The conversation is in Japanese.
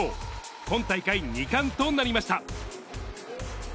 今大会２冠となりました。